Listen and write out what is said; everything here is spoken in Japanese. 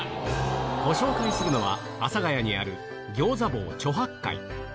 ご紹介するのは、阿佐ヶ谷にある餃子坊猪八戒。